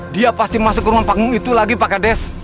dia pasti masuk rumah paklung itu lagi pak kaltes